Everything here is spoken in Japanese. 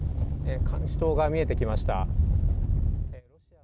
監視塔が見えてきました。